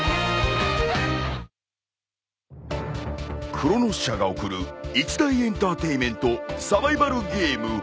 ［クロノス社が送る一大エンターテインメントサバイバルゲーム］